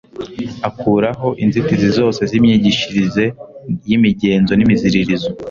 Akuraho inzitizi zose z'imyigishirize y'imigenzo n'imiziririzo.